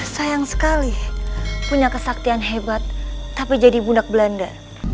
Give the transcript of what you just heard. sayang sekali punya kesaktian hebat tapi jadi bundak belanda